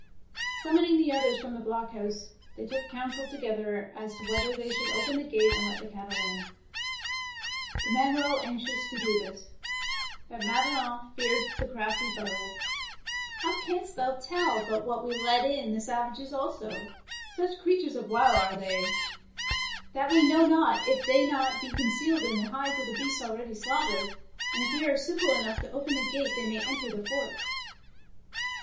Summoning the others from the blockhouse, they took counsel to gether as to whether they should open the gate and let the cattle in. The men were all anxious to do 116 DEFENCE OF CASTLE DANGEKOUS this, but Madelon feared the crafty foe. '' How canst thou tell but what we let in the savages also? Such crea tures of wile are they, that we know not if they be not concealed in the hides of the beasts already slaughtered, and if we are simple enough to open the gate they may enter the fort.